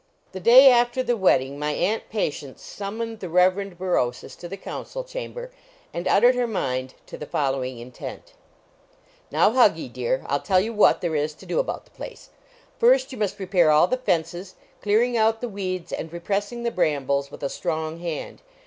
The day after the wedding my Aunt Patience summoned the Rev. Berosus to the council chamber, and uttered her mind to the following intent: "Now, Huggy, dear, I'll tell you what there is to do about the place. First, you must repair all the fences, clearing out the weeds and repressing the brambles with a strong hand.